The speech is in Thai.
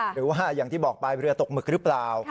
หรือว่าอย่างที่บอกไปเรือตกหมึกหรือเปล่า